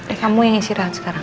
eh kamu yang istirahat sekarang